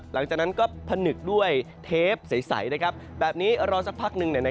หลังจากนั้นก็ผนึกด้วยเทปใสแบบนี้รอสักพักหนึ่ง